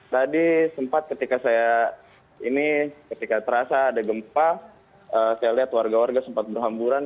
tadi sempat ketika saya ini ketika terasa ada gempa saya lihat warga warga sempat berhamburan